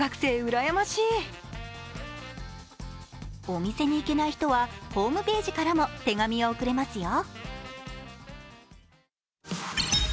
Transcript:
お店に行けない人はホームページからも手紙を送れますよ。